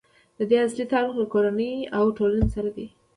د دې اصل تعلق له کورنۍ او ټولنې سره دی.